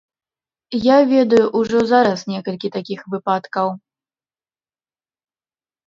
Я ведаю ўжо зараз некалькі такіх выпадкаў.